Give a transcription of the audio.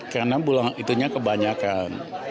karena itunya kebanyakan